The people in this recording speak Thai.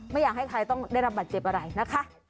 ไม่อยากให้ใครต้องได้รับบัตรเจ็บอะไรนะคะ